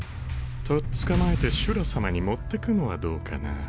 とっ捕まえてシュラさまに持ってくのはどうかな？